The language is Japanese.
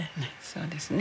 そうですね。